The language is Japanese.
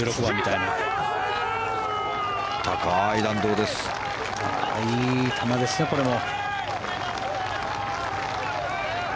いい球ですね、これも。